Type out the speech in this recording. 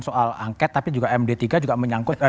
soal angket tapi juga md tiga juga menyangkut